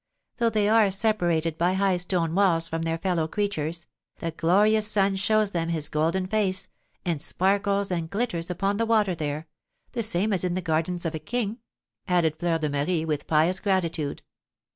Though they are separated by high stone walls from their fellow creatures, the glorious sun shows them his golden face, and sparkles and glitters upon the water there, the same as in the gardens of a king!" added Fleur de Marie, with pious gratitude.